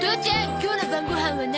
今日の晩ご飯は何？